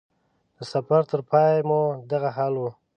د سفر تر پای مو دغه حال و.